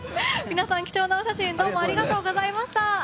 皆さん、貴重なお写真ありがとうございました。